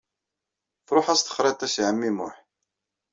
Truḥ-as texriḍt-is i ɛemmi Muḥ.